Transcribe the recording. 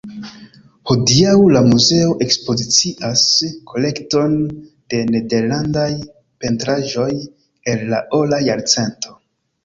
Hodiaŭ, la muzeo ekspozicias kolekton de nederlandaj pentraĵoj el la Ora Jarcento.